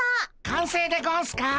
かんせいでゴンスか？